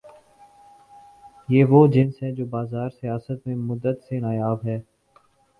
یہ وہ جنس ہے جو بازار سیاست میں مدت سے نایاب ہے۔